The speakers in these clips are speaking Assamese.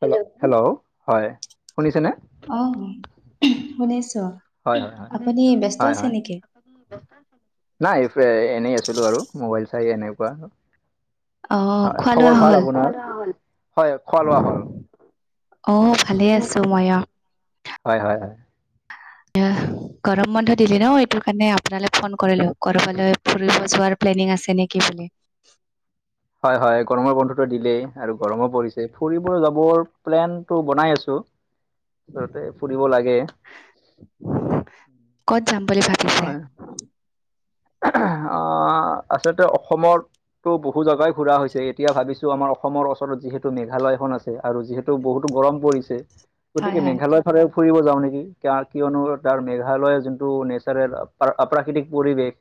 হেল্ল'? হেল্ল'? হয়, শুনিছে নে? অ', শুনিছোঁ। হয় হয় হয় আপুনি ব্যস্ত হয় আছে হয় নেকি? নাই এফে- এনেই আছিলোঁ আৰু। মোবাইল চাই এনেকুৱা। অহ হয়, খোৱা লোৱা খবৰ ভাল হ'ল আপোনাৰ? হয়, খোৱা-লোৱা হ'ল। অ' ভালে আছোঁ মইয়ো। হয় - হয় - হয়। গৰম বন্ধ দিলে ন', এইটোৰ কাৰণে আপোনালৈ ফোন কৰিলোঁ। কৰবালৈ ফুৰিব যোৱাৰ প্লেনিং আছে নেকি বুলি। হয় - হয়, গৰমৰ বন্ধটো দিলেই আৰু গৰমো পৰিছে। ফুৰিব যাবৰ প্লেনটো বনাই আছোঁ। আচলতে ফুৰিব লাগে। ক'ত যাম বুলি ভা হয়। অ'- আচলতে অসমৰ তো বহু জাগাই ঘুৰা হৈছে। এতিয়া ভাবিছোঁ, আমাৰ অসমৰ ওচৰত যিহেতু মেঘালয়খন আছে ছে আৰু যিহেতু বহুতো গৰম পৰিছে, হয় গতিকে হয় মেঘালয়ৰ ফালে ফুৰিব যাওঁ নেকি। কা- কিয়নো, তাৰ মেঘালয় যোনটো নেচাৰেল প্ৰ- প্ৰাকৃতিক পৰিৱেশ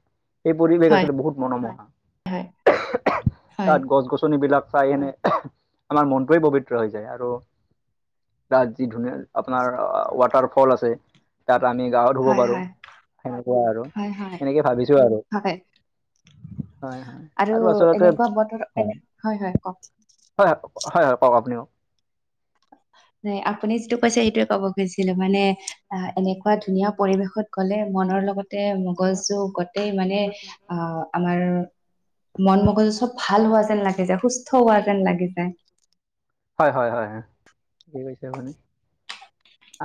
সেই পৰিৱেশ হয় আচলতে বহুত মনোমোহা। হয় হয় তাত গছ-গছনিবিলাক চাইকেনে আমাৰ মনটোৱে পবিত্ৰ হৈ যায় আৰু তাত যি ধুনীয়া আপোনাৰ ৱাটাৰ ফল আছে তাত আমি গাও ধুব হয় পাৰোঁ। হয় সেনেকুৱা আৰু, হয় হয় সেনেকে ভাবি আৰু। হয় হয় - হয়, আৰু আচলতে- এনেকুৱা বতৰ হয় হয় কওক হয়- হয়, কওঁক আপুনি কওঁক। নাই, আপুনি যিটো কৈছে সেইটোৱে ক'ব খুজিছিলোঁ। মানে অ'- এনেকুৱা ধুনীয়া পৰিৱেশত গ'লে, মনৰ লগ তে মগজু গোটই মানে অ'- আমাৰ মন-ম গজু চব ভাল হোৱা যেন লাগি যায়, সুস্থ হোৱা যেন লাগি যায়। হয় - হয় - হয়। ঠিকে কৈছে আপুনি।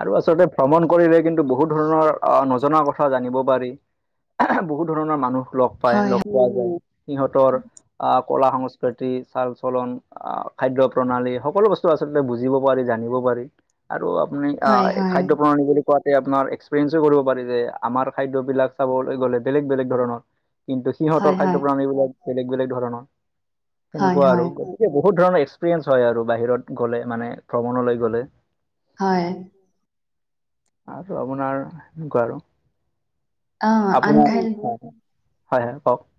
আৰু আচলতে ভ্ৰমণ কৰিলে, কিন্তু বহুত ধৰণৰ অ'- নজনা কথা জানিব পাৰি। বহুত ধৰণৰ মানুহ লগ পায়, হয় লগ পোৱা যায়। সিহঁতৰ অ'- কলা-সংস্কৃতি, চাল-চলন, অ'- খাদ্য প্ৰণালী, সকলো বস্তু আচলতে বুজিব পাৰি, জানিব পাৰি। আৰু আপুনি হয় অ'- হয় খাদ্য প্ৰণালী বুলি খুৱাতে আপোনাৰ এক্সপিৰিয়েঞ্চো কৰিব পাৰি যে আমাৰ খাদ্যবিলাক চাবলৈ গ'লে বেলেগ-বেলেগ ধৰণৰ। কিন্তু [unintelligible] হয় সিহঁতৰ হয় খাদ্য প্ৰাণী বিলাক বেলেগ-বেলেগ ধৰণৰ, হয় সেনেকুৱা আৰু। হয় বহুত ধৰণৰ এক্সপিৰিয়েঞ্চ হয় আৰু বাহিৰত গ'লে, মানে ভ্ৰমণলৈ গ'লে। হয়। আৰু আপোনাৰ সেনেকুৱা আৰু। আহ আন আপোনাৰ ঠাইত হয়, হয়, কওঁক।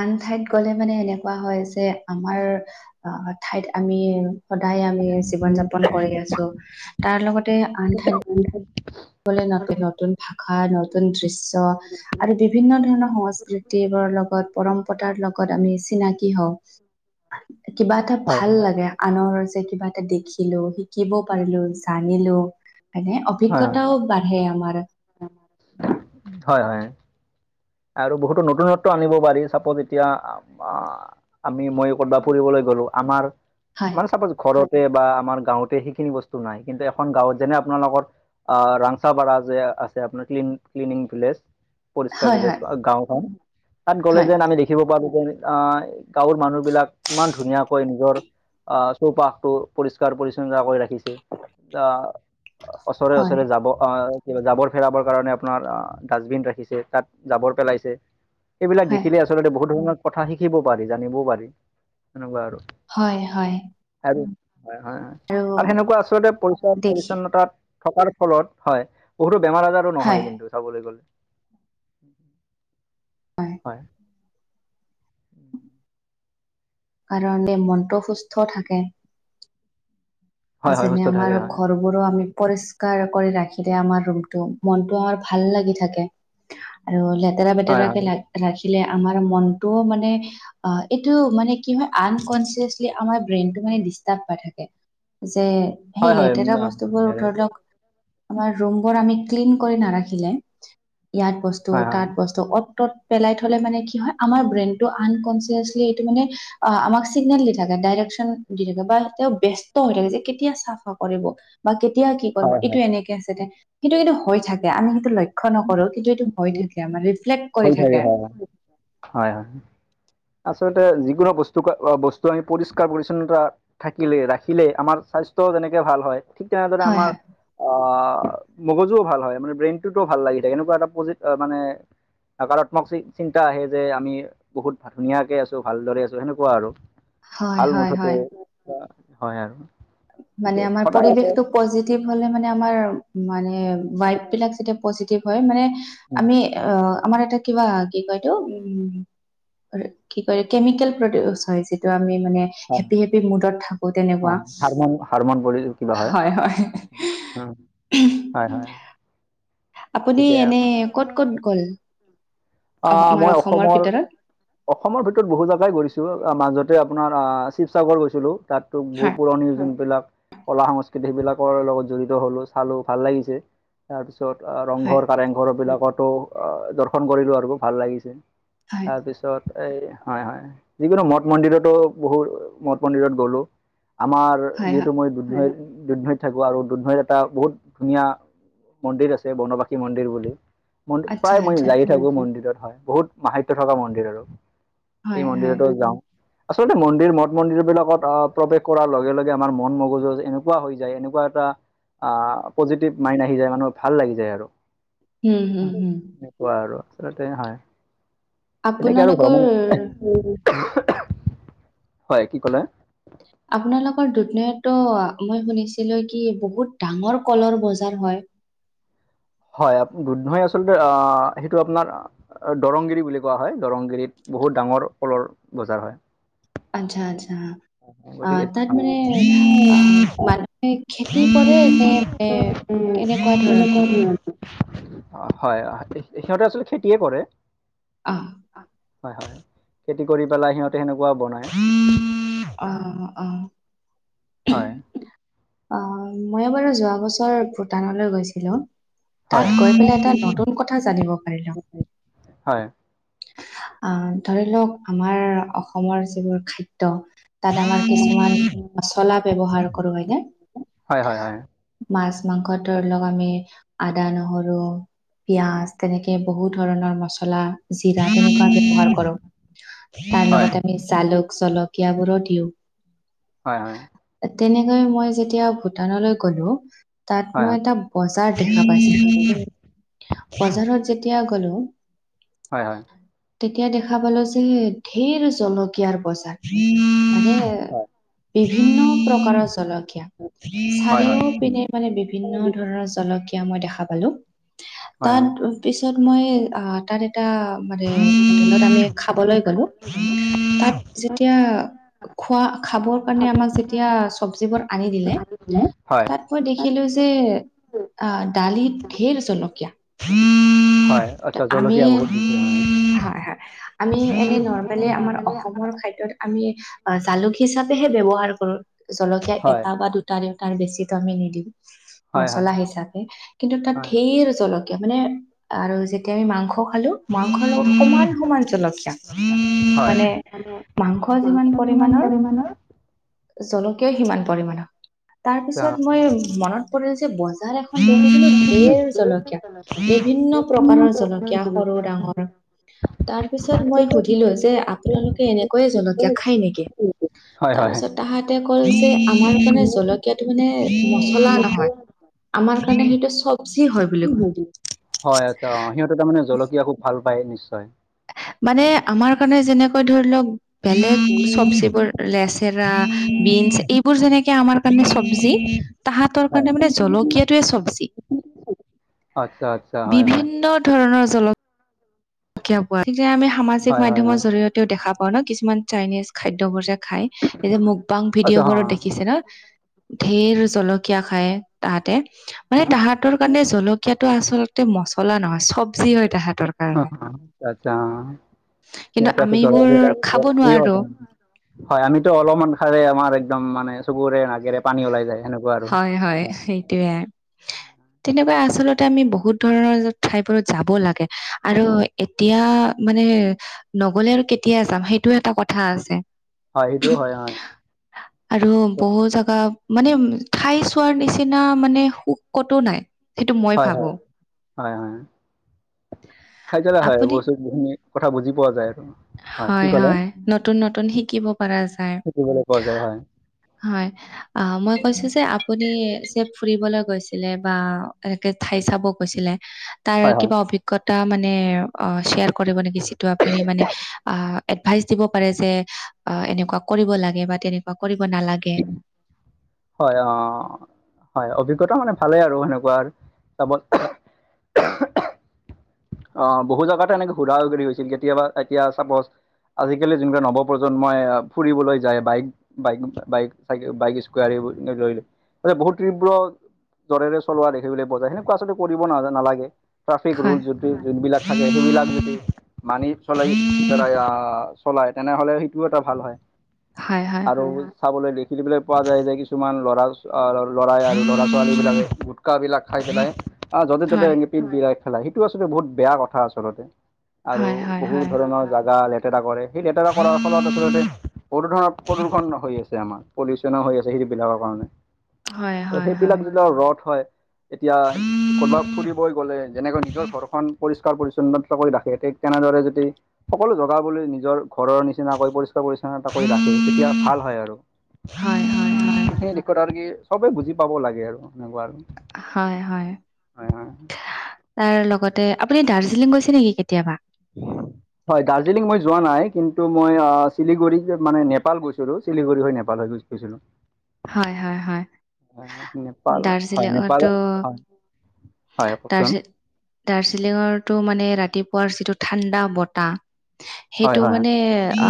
আন ঠাইত গ'লে মানে এনেকুৱা হয় যে আমাৰ আহ ঠাইত আমি সদায় আমি জীৱন যাপন কৰি আছোঁ, তাৰ লগতে আনঠাইত গ'লে নতুন ভাষা নতুন দৃষ্টি আৰু বিভিন্ন ধৰণৰ সংস্কৃতি বোৰৰ লগত পৰম্পৰাৰ লগত আমি চিনাকি হওঁ, কিবা এটা হয় ভাল লাগে। আনৰ যে কিবা এটা দেখিলোঁ, শিকিব পাৰিলোঁ, জানিলোঁ, হয়নে? হয় অভিজ্ঞতাও বাঢ়ে আমাৰ। হয়, হয়। আৰু বহুতো নতুনত্ব আনিব পাৰি, চাপত এতিয়া আমি মই বা ফুৰিবলৈ গ'লোঁ। আমাৰ হয় মানে চাপজ ঘৰত বা আমাৰ গাঁওতে সেইখিনি বস্তু নাই, কিন্তু এখন গাঁৱত যেনে আপোনালোকৰ ৰাংচাপাৰা যে আছে আপোনাৰ ক্লিন ক্লিনিং ভিলেজ। পৰিষ্কাৰ হয় ভিলেজ হয় গাঁওখন। তাত গ'লে হয় যেন আমি দে দেখিব পাৰোঁ যে আমি আ, গাঁৱৰ মানুহবিলাক ইমান ধুনীয়াকৈ নিজৰ আহ চৌপাশটো পৰিষ্কাৰ পৰিচ্ছন্ন কৰি ৰাখিছে। আহ হয় ওচৰে-ওচৰে জাবৰ আহ, কিবা জাবৰ ফেৰাবৰ কাৰণে আপোনাৰ ডাষ্টবিন ৰাখিছে, তাত জাবৰ পেলাইছে। এইবিলাক হয় দেখিলে আছ আচলতে বহুত ধৰণৰ কথা শিকিবও পাৰি, জানিবও পাৰি। তেনেকুৱা আৰু হয়, হয়। আৰু হয়, হয়, হয়, আৰু সেনেকুৱা আচলতে পৰিচয় দেখি পৰিচ্ছন্নতাত থকাৰ ফলত হয়, বহুতো বেমাৰ আজাৰো হয় নহয় কিন্তু চাবলৈ গলে। হয়। কাৰনে মনটো সুস্থ থাকে। হয় হয় যেনে সুস্থ আমাৰ থাকে হয় ঘৰ ঘৰু আমি পৰিষ্কাৰ কৰি ৰাখিলে আমাৰ ৰুমটো মনটো আমাৰ ভাল লাগি থাকে। আৰু লেতেৰা হয় হয় পেতেৰাকে ৰাখিলে আমাৰ মনটোও মানে অ', এইটো মানে কি হয় আনকনচিয়াচলি আমাৰ ব্ৰেইনটো মানে ডিষ্টাৰ্ব পাই থাকে। যে সেই হয় হয় লেতেৰা বস্তুবোৰ হয় ধৰি লওঁক আমাৰ ৰুম বোৰ আমি ক্লিন কৰি নাৰাখিলে, ইয়াত বস্তু হয় তাত বস্তু অত-তত পেলাই থ'লে মানে কি হয়, আমাৰ ব্ৰেইনটো আনকনচিয়াচলি এইটো মানে অ', আমাক চিগনেল দি থাকে ডাইৰেকশন দি থাকে বা তেওঁ বে হৈ থাকে যে কেতিয়া চাফা কৰিব বা কেতিয়া কি কৰিব হয় এইটো হয় এনেকে সেইটো কিন্ত হৈ থাকে আমি সেইটো লক্ষ্য নকৰো কিন্তু এইটো হৈ থাকে আমাৰ। ৰিফ্লেক্ হৈ থাকে হয়, হয়। হয়, হয়। আচলতে যিকোনো বস্তু-বস্তু আমি পৰিষ্কাৰ পৰিচ্ছন্নতা থাকিলে ৰাখিলে আমাৰ স্বাস্থ্যও তেনেকে ভাল হয়, ঠিক তেনেদৰে হয় আমাৰ হয় অ', মগজুও ভাল হয় মানে ব্ৰেইনটোতো ভাল লাগি থাকে এনেকুৱা এটা পজিট মানে নকাৰাত্মক [unintelligible] চিন্তা আহে যে আমি বহুত ধুনীয়াকে আছোঁ, ভালদৰে আছোঁ, সেনেকুৱা আৰু। হয় ভাল হয় মুঠতে হয় হয় আৰু। মানে গতিকে আমাৰ সদায় পৰিৱেশটো পজিটিভ হলে মানে আমাৰ মানে ভাইব বিলাক যেতিয়া পজিটিভ হয় মানে উম, আমি অ', আমাৰ এটা কিবা কি কয় এইতো? উম কি কৰে কেমিকেল প্ৰডিউচ হয় যিটো আমি মানে হয় হেপী হেপী মুডত থাকো হয় তেনেকুৱা হাৰমন হাৰমন ভৰিযাব হয় হয় উম, হয়, হয়। আপুনি গতিকে এনে ক'ত-ক'ত গ'ল? অ', আমাৰ মই অসমৰ ভিতৰত অসমৰ ভিতৰত বহু জেগাই গৈছোঁ মাজতে আপোনাৰ শিৱসাগৰ গৈছিলোঁ তাতো হয় বহুত পুৰণি যোনবিলাক কলা সংস্কৃতি সেইবিলাকৰ লগত জড়িত হলো চালো ভাল লাগিছে তাৰপিছত হয় ৰংঘৰ কাৰেংঘৰবিলাকতো দৰ্শন কৰিলো আৰু ভাল লাগিছে হয় তাৰপিছত এই হয় হয় যিকোনো মঠ মন্দিৰতো বহু মঠ মন্দিৰত গ'লোঁ আমাৰ হয় যিহেতু হয় মই দুধনৈত দুধনৈত থাকো আৰু দুধনৈত এটা বহুত ধুনীয়া মন্দিৰ আছে বনবাসী মন্দিৰ বুলি মোৰ আচ্ছা প্ৰায় মই আচ্ছা যায় থাকোঁ মন্দিৰত হয় বহুত মাহাত্য থকা মন্দিৰ আৰু হয় এই হয় মন্দিৰতো যাওঁ আচলতে মন্দিৰ মঠ মন্দিৰবিলাকত প্ৰৱেশ কৰাৰ লগে লগে আমাৰ মন মগজু এনেকুৱা হৈ যায় এনেকুৱা তা আহ পজিটিভ মাইণ্ড আহি যায় মানুহ ভাল লাগি যায় আৰু হম হম হম সেনেকোৱা আৰু আচলতে হয় তেনেকে আৰু ভাবো আপোনালোকৰ হয় কি ক'লে আপোনালোকৰ দুধনৈত টো মই শুনিছিলো কি বহুত ডাঙৰ কলৰ বজাৰ হয় হয় দুধনৈত আচলতে সেইটো আপোনাৰ দৰংগিৰি বুলি কোৱা হয় দৰংগিৰিত বহুত ডাঙৰ কলৰ বজাৰ হয় আচ্ছা আচ্ছা অ গতিকে তাত আহ, মানে অ মানুহে খেতি কৰে নে মানে কেনেকুৱা ধৰণৰ উম হয় সিহঁতে আচলতে খেতিয়ে কৰে অ হয় হয় খেতি কৰি পেলাই সিহঁতে সেনেকুৱা বনাই অ অ হয় অ মই বাৰু যোৱা বছৰ ভূটানলৈ গৈছিলো হয় তাত গৈ পেলাই এটা নতুন কথা জানিব পাৰিলো হয় আহ ধৰি লওক আমাৰ অসমৰ যিবোৰ খাদ্য তাত আমাৰ কিছুমান মচলা ব্যৱহাৰ কৰো হয়নে হয় হয় হয় মাছ মাংস ধৰি লওক আমি আদা নহৰু পিঁয়াজ তেনেকে বহু ধৰণৰ মচলা জিৰা তেনেকুৱা ব্যৱহাৰ কৰো তাৰ লগতে আমি জালুক জলকীয়াবোৰো দিওঁ হয় হয় তেনেকৈ মই যেতিয়া ভূটানলৈ গলো তাত হয় হয় মই এটা বজাৰ দেখা পাইছিলো সেই বজাৰত যেতিয়া গলো হয় হয় তেতিয়া দেখা পালো যে ধেৰ জলকীয়াৰ বজাৰ মানে বিভিন্ন প্ৰকাৰৰ জলকীয়া হয় চাৰিও পিনে মানে বিভিন্ন ধৰণৰ জলকীয়া মই দেখা পালো হয় তাত হয় তাৰপিছত মই তাত এটা মানে হোটেলত আমি খাবলৈ গলো তাত এতিয়া খোৱা খাবৰ কাৰণে আমাক যেতিয়া চবজিবোৰ আনি দিলে হয় তাত মই দেখিলো যে অ দালিত ঢেৰ জলকীয়া ত আচ্ছা আমি জলকীয়া বহুত। হয় হয় আমি হয়। এনে নৰ্মেলে আমাৰ অসমৰ খাদ্য য'ত আমি অ, জালুক হিচাপেহে ব্যৱহাৰ কৰোঁ জলকীয়া হয় এটা বা দুটা তাৰে তাৰ বেছিটো আমি নিদিও হয় হয় মচলা হিচাপে কিন্তু তাৰ ধেৰ জল মানে আৰু যেতিয়া আমি মাংস খালো মাংসৰ লগত সমান সমান জলকীয়া মানে মাংস যিমান পৰিমাণৰ জলকীয়া সিমান পৰিমাণৰ তাৰ পিছত মই মনত পৰিল যে বজাৰ এখন দেখিছিলো ঢেৰ জলকীয়া বিভিন্ন প্ৰকাৰৰ জলকীয়া সৰু ডাঙৰ। তাৰ পিছত মই সুধিলোঁ যে আপোনালোকে এনেকৈ। জলকীয়া খাই নেকি হয় হয় তাৰপিছত তাহাতে কল যে আমাৰ কাৰণে জলকীয়া কিয়াতো মানে মচলা নহয় আমাৰ কাৰণে সেইটো চবজি হয় বুলি কয়। হয় আচ্ছা অ, সিহঁতে তাৰ মানে জলকীয়া খুব ভাল পায় নিশ্চয়। মানে আমাৰ কাৰণে যেনেকৈ ধৰি লওক বেলেগ চবজিবোৰ লেচেৰা, বিনছ এইবোৰ যেনেকে আমাৰ কাৰণে চবজি তাহাতৰ হয় কাৰণে মানে জলকীয়াটোৱে চবজি। আচ্ছা - আচ্ছা, হয় - হয়। বিভিন্ন ধৰণৰ জলত [unintelligible] আমি সামাজিক হয় হয় মাধ্যমৰ হয় জৰিয়তেও দেখা পাওঁ ন কিছুমান চাইনিজ খাদ্যবোৰ যে খাই এই যে মোক বাং আচ্ছা ভিডিঅ' বোৰত দেখিছে ন। ধেৰ জলকীয়া খায় তাহাঁতে মানে তাহাঁতৰ কাৰণে জলকীয়াত ত আচলতে মছলা নহয় চবজি হয় তাহাঁতৰ। অহ, কাৰণে অহ, আচ্ছা অহ, কিন্তু ইয়াতে আকৌ জলা আমিবোৰ কেইটা খাব নোৱাৰো [unintelligible] হয় আমিতো অলপমান খালে আমাৰ একদম মানে চকুৰে নাকেৰে পানী ওলাই যায় সেনেকুৱা। আৰু হয়-হয় হয় সেইটোৱে। তেনেকুৱা আচলতে আমি বহুত ধৰণৰ ঠাইবোৰত যাব লাগে আৰু এতিয়া মানে নগলে আৰু কেতিয়া যাম সেইটো এটা কথা আছে। হয় সেইটোও হয় হয় আৰু বহু জাগা মানে ঠাই চোৱাৰ নিচিনা মানে সুখ কতো নাই। সেইটো মই ভাবো হয়-হয়-হয়-হয় খাই যা হয় আপুনি [unintelligible] কথা বুজি পোৱা যায় আৰু। হয় কি ক'লে হয়-হয়, নতুন-নতুন শিকিব পাৰা য যায় শিকিবলৈ পোৱা যায় হয় হয় আহ, মই কৈছোঁ যে আপুনি যে ফুৰিবলৈ গৈছিলে বা এনেকে ঠাই চাব গৈছিলে। তাৰ হয় হয় কিবা অভিজ্ঞতা মানে অ, শ্বেয়াৰ কৰিব নেকি যিটো আপুনি মানে আহ, এডভাইচ দিব পাৰে যে এনেকুৱা কৰিব লাগে বা তেনেকুৱা কৰিব নালাগে। হয় অ, হয় অভিজ্ঞতা মানে ভালে আৰু সেনেকুৱা আৰু চাব অ, বহু জাগাত এনেকে ঘুৰা ঘুৰি হৈছিল কেতিয়াবা এতিয়া চাপজ আজিকালি যোনকা নৱপ্ৰজন্মই ফুৰিবলৈ যায় বাইক বাইক-বাইকাই-বাইক স্কাৱাৰী বোৰ ল'লে বহুত তীব্ৰ জৰেৰে চলোৱা দেখিবলৈ পোৱা যায় সেনেকোৱা আলতে কৰিব ন নালাগে ট্ৰাফিক হয়, ৰোলজ য যোনবিলাক থাকে সেইবিলাক যদি মানি চলাই চলাই তেনেহ'লে টো এটা ভাল হয় হয়, হয়। আৰু। চাবলৈ দেখিবলৈ পোৱা যায় যে কিছুমান ল'ৰা - ল'ৰাই আৰু ল'ৰা ছোৱালী বিলাক শুকা বিলাক খাই পেলাই আহ যতে ত'তে হয়, এ পিত বিলাক পেলাই সেইটো আচলতে বহুত বেয়া কথা আচলতে আৰু হয়, হয়, বহু হয়। ধৰণৰ জাগা লেতেৰা কৰে। সেই লেতেৰা কৰাৰ ফলত আচলতে বহুত ধৰণৰ প্ৰদূষণ হৈ আছে আমাৰ পলিউচন হৈ আছে। যে সেইখিনি বিলাকৰ কাৰণে হয়, আৰু হয়, সেইবিলাক হয়। যতিক ৰ'দ হয়। এতিয়া ক'বাত ফুৰিবই গ'লে যেনেকৈ নিজৰ ঘৰ পৰিষ্কাৰ-পৰিচ্ছন্নতা কৰি ৰাখে, ঠিক তেনেদৰে যদি সকলো জগাবলৈ নিজৰ ঘৰৰ নিচিনাকৈ পৰিষ্কাৰ পৰিচছন্নতা কৰি ৰাখে, তেতিয়া ভাল হয় আৰু। হয়, হয়, হয়। সেই দিশত আৰু কি, সবে বুজি পাব লাগে আৰু। সেনেকুৱা আৰু। হয় - হয়। হয় হয় তাৰ লগতে আপুনি দাৰ্জিলিং গৈছে নেকি কেতিয়াবা? হয় দাৰ্জিলিং মই যোৱা নাই কিন্তু মই শিলোগুৰি মানে নেপাল গৈছিলোঁ শিলোগুৰি হৈ নেপাল হৈ গৈ গৈছিলোঁ। হয়, হয়, হয়। নেপাল হয় - দাৰ্জিলিঙতো নেপাল হয়। হয় কওকচোন। দাৰ্জি দাৰ্জিলিঙৰটো মানে ৰাতিপুৱাৰ যিটো ঠাণ্ডা বতাহ হয় সেইটো হয় মানে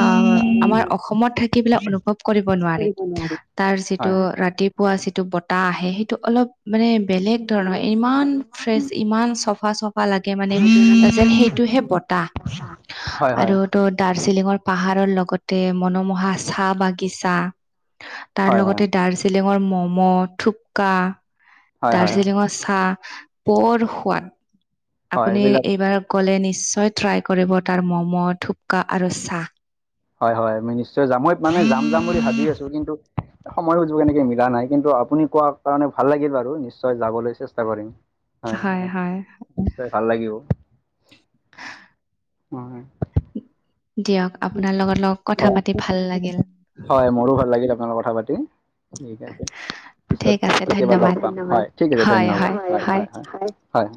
অ'- আমাৰ অসমত থাকি বিলাক অনুভৱ কৰিব নোৱাৰে। নোৱাৰি। তাৰ যিটো ৰাতিপুৱা যিটো বতাহ আহে, সেইটো অলপ মানে বেলেগ ধৰণৰ। ইমান ফ্ৰেছ, ইমান চফা - চফা লাগে মানে যেন সেইটোহে বতাহ। হয় হয় হয় আৰু তো দাৰ্জিলিঙৰ পাহাৰৰ লগতে মনোমোহা চাহ-বাগিচা, হয় তাৰ হয় লগতে দাৰ্জি দাৰ্জিলিঙৰ ম'ম', থোপ্কা। হয় হয় দাৰ্জিলিঙত চাহ বৰ সোৱাদ। হয় আপুনি এইবিলাক এইবাৰ গ'লে, নিশ্চয় ট্ৰাই কৰিব তাৰ ম'ম', থোপ্কা আৰু চাহ। হয় - হয়, মই নিশ্চয় যাম। মই মানে যাম - যাম বুলি ভাবি আছোঁ, কিন্তু সময় সুযোগ সেনেকে মিলা নাই। কিন্তু আপুনি কোৱাৰ কাৰণে ভাল লাগিল বাৰু। নিশ্চয় যাবলৈ চেষ্টা কৰিম। হয় [inaudible] নিশ্চয় ভাল লাগিব। হয়। দিয়ক। আপোনাৰ লগত লগত [inaudible] কথা পাতি ভাল লাগিল হয়, মোৰো ভাল লাগিল আপোনাৰ লগত কথা পাতি। ঠিক আছে। পিছত ঠিক আছে কেতিয়াবা লগ ধন্যবাদ। পাম। হয়, ঠিক আছে। ধন্যবাদ। হয় - হয় - হয়। হয়।